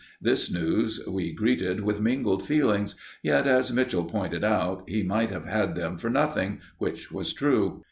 This news, we greeted with mingled feelings, yet, as Mitchell pointed out, he might have had them for nothing, which was true.